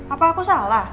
apa aku salah